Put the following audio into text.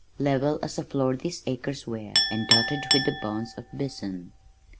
Level as a floor these acres were, and dotted with the bones of bison.